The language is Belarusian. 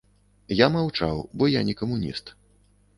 Я маўчаў, бо я не камуніст.